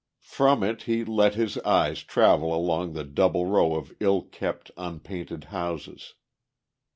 From it he let his eyes travel along the double row of ill kept, unpainted houses.